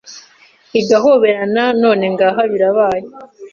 igahoberana none ngaha birabaye